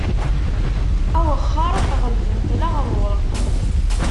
Awexxer ɣelben-t leɣruṛ.